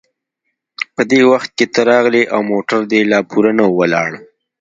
په دې وخت کې ته راغلې او موټر دې لا پوره نه و ولاړ.